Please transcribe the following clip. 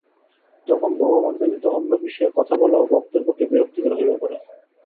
তখন ভগবান ব্যতীত অন্য বিষয়ে কথা বলাও ভক্তের পক্ষে বিরক্তিকর হইয়া পড়ে।